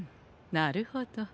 なるほど。